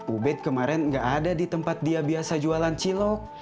ubed kemarin nggak ada di tempat dia biasa jualan cilok